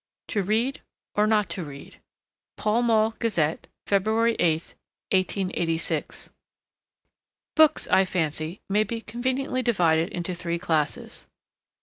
TO READ OR NOT TO READ (Pall Mall Gazette, February 8, 1886.) Books, I fancy, may be conveniently divided into three classes: 1.